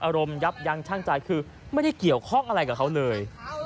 ยับยั้งช่างใจคือไม่ได้เกี่ยวข้องอะไรกับเขาเลย